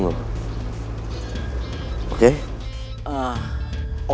atau jangan sampai gue yang habisin lo